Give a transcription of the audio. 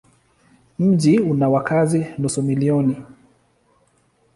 Mji una wakazi nusu milioni.